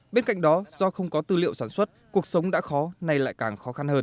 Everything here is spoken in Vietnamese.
bên cạnh đó do không có tư liệu sản xuất cuộc sống đã khó nay lại càng khó khăn hơn